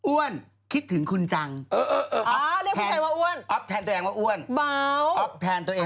อ้วนคิดถึงคุณจังอ๊อฟแทนตัวเองว่าอ้วนอ๊อฟเรียกผู้ชายว่าอ้วน